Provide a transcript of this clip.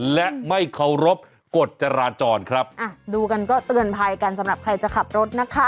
และไม่เคารพกฎจราจรครับอ่ะดูกันก็เตือนภัยกันสำหรับใครจะขับรถนะคะ